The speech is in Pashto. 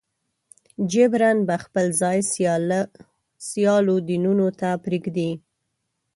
جبراً به خپل ځای سیالو دینونو ته پرېږدي.